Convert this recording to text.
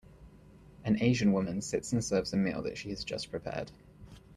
An Asian woman sits and serves a meal that she has just prepared.